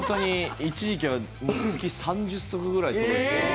一時期は月３０足ぐらい買って。